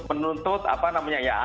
menuntut apa namanya ya